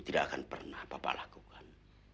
tidak akan pernah bapak lakukan